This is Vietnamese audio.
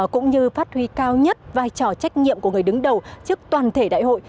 cũng như phát huy cao nhất vai trò trách nhiệm của người đứng đầu trước toàn thể đại hội